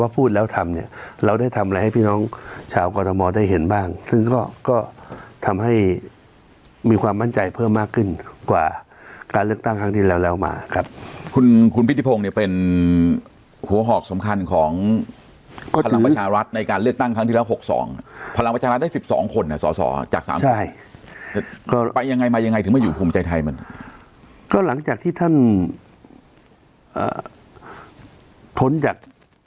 พูดแล้วทำเนี่ยเราได้ทำอะไรให้พี่น้องชาวกฎมอลได้เห็นบ้างซึ่งก็ก็ทำให้มีความมั่นใจเพิ่มมากขึ้นกว่าการเลือกตั้งทั้งที่แล้วแล้วมาครับคุณคุณพิธีพงศ์เนี่ยเป็นหัวหอกสำคัญของพลังประชารัฐในการเลือกตั้งทั้งที่แล้วหกสองพลังประชารัฐได้สิบสองคนอ่ะสอสอจากสามคนใช่